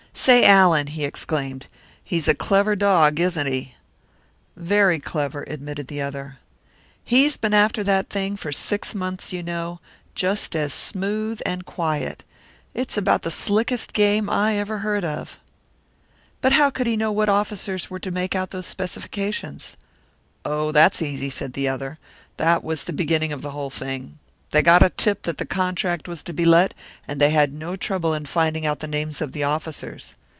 "Say, Allan!" he exclaimed. "He's a clever dog, isn't he!" "Very clever," admitted the other. "He's been after that thing for six months, you know and just as smooth and quiet! It's about the slickest game I ever heard of!" "But how could he know what officers were to make out those specifications?" "Oh, that's easy," said the other. "That was the beginning of the whole thing. They got a tip that the contract was to be let, and they had no trouble in finding out the names of the officers.